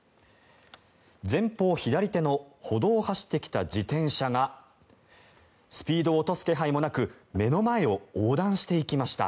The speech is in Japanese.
前方左手の歩道を走ってきた自転車がスピードを落とす気配もなく目の前を横断していきました。